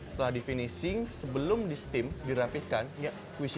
setelah di finishing sebelum di steam dirapitkan qc dua